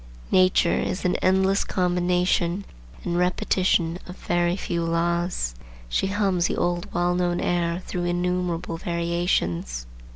Nature is an endless combination and repetition of a very few laws. She hums the old well known air through innumerable variations.